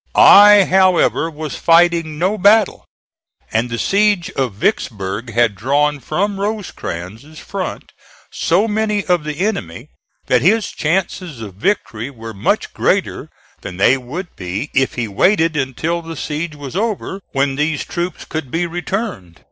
I, however, was fighting no battle, and the siege of Vicksburg had drawn from Rosecrans' front so many of the enemy that his chances of victory were much greater than they would be if he waited until the siege was over, when these troops could be returned.